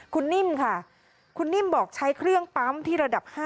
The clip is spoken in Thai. คุณนิ่มค่ะคุณนิ่มบอกใช้เครื่องปั๊มที่ระดับ๕